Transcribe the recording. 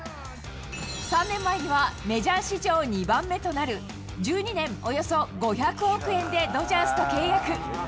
３年前にはメジャー史上２番目となる、１２年およそ５００億円でドジャースと契約。